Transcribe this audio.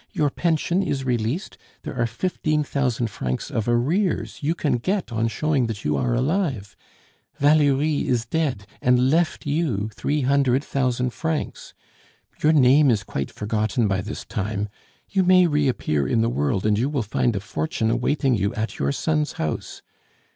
Your pension is released; there are fifteen thousand francs of arrears you can get on showing that you are alive. Valerie is dead, and left you three hundred thousand francs. "Your name is quite forgotten by this time; you may reappear in the world, and you will find a fortune awaiting you at your son's house.